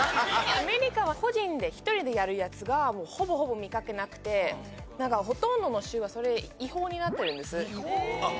アメリカは個人で１人でやるやつがほぼほぼ見かけなくてほとんどの州がそれ違法になってるんですあっ